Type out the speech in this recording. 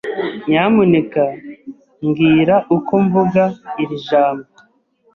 Nyamuneka mbwira uko mvuga iri jambo.